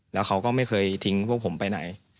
แล้วเขาก็ไม่เคยทิ้งพวกผมไปไหน